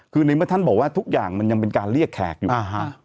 คือในเมื่อท่านบอกว่าทุกอย่างมันยังเป็นการเรียกแขกอยู่อ่าฮะ